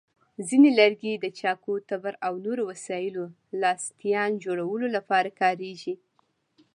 ځینې لرګي د چاقو، تبر، او نورو وسایلو لاستیان جوړولو لپاره کارېږي.